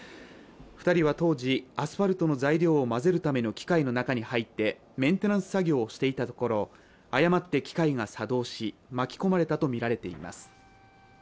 ２人は当時、アスファルトの材料を混ぜるための機械の中に入ってメンテナンス作業をしていたところ、誤って機械が作動し巻き込まれたとみられています。